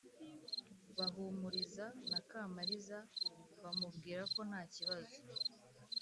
bahumuriza na kamariza bamubwira ko ntakibazo